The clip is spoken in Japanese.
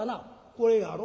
「これやろ？」。